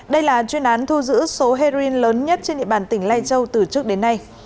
đây là chuyên án thu giữ số heroin lớn nhất trên địa bàn tỉnh lai châu từ trước đến nay